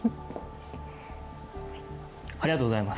ありがとうございます。